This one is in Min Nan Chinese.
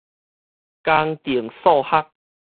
工程數學